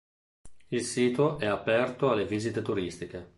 Il sito è aperto alle visite turistiche.